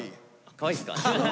かわいいっすか？